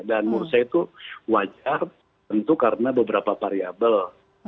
dan mursi itu wajar tentu karena beberapa variabel